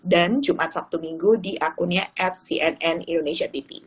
dan jumat sabtu minggu di akunnya atcnn indonesia tv